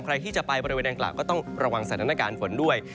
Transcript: ใครที่จะไปบริเวณอังกล่าวก็ต้องระวังสถานการณ์ฝนด้วย